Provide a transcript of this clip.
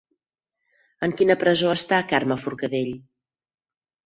En quina presó està Carme Forcadell?